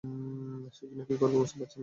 সেজন্য কী করবো বুঝতে পারছি না।